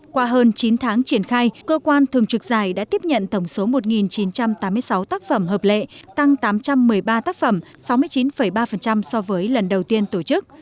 qua hơn chín tháng triển khai cơ quan thường trực giải đã tiếp nhận tổng số một chín trăm tám mươi sáu tác phẩm hợp lệ tăng tám trăm một mươi ba tác phẩm sáu mươi chín ba so với lần đầu tiên tổ chức